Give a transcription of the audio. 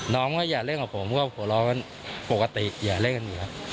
น้องก็อย่าเล่นกับผมก็หัวล้อนกันปกติอย่าเรียกมีละ